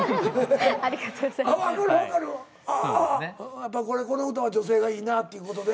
やっぱりこの歌は女性がいいなっていう事で。